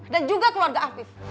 dan juga keluarga afif